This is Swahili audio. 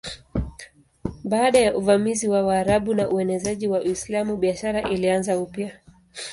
Baada ya uvamizi wa Waarabu na uenezaji wa Uislamu biashara ilianza upya.